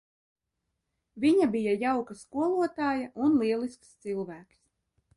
Viņa bija jauka skolotāja un lielisks cilvēks.